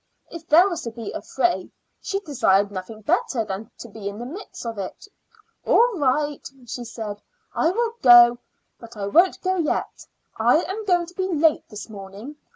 If there was to be a fray, she desired nothing better than to be in the midst of it. "All right," she said, "I will go; but I won't go yet. I am going to be late this morning.